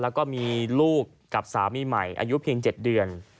แล้วก็มีลูกกับสามีใหม่อายุเพียง๗เดือน